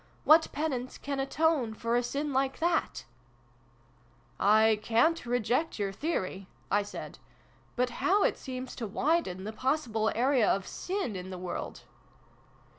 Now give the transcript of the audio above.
What penance can atone for a sin like that ?"" I ca'n't reject your theory," I said. " But how it seems to widen the possible area of Sin in the world